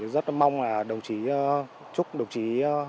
rất mong là đồng chí chúc đồng chí